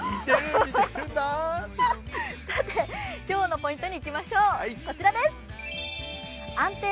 今日のポイントにいきましょう。